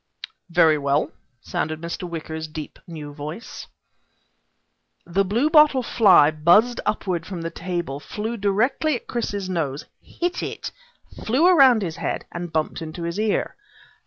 "Very well," sounded Mr. Wicker's deep new voice. The bluebottle fly buzzed upward from the table, flew directly at Chris's nose, hit it, flew around his head, and bumped into his ear.